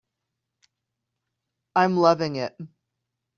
I'm loving it.